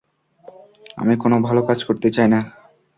আমি কোনো ভালো কাজ করতে চাই না।